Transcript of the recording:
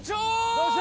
どうした！